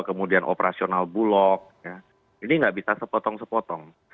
kemudian operasional bulog ini nggak bisa sepotong sepotong